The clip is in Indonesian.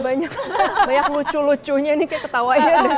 banyak lucu lucunya nih kayak ketawanya